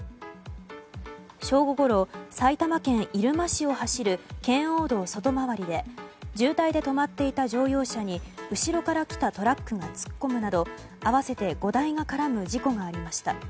正午ごろ埼玉県入間市を走る圏央道外回りで渋滞で止まっていた乗用車に後ろから来たトラックが突っ込むなど合わせて５台が絡む事故がありました。